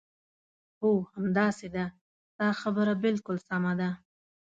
هو، همداسې ده، ستا خبره بالکل سمه ده.